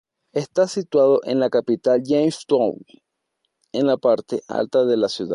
Está situado en la capital, Jamestown, en la parte alta de la ciudad.